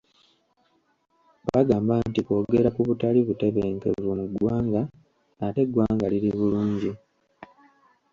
Bagamba nti kwogera ku butali butebenkevu mu ggwanga ate eggwanga liri bulungi.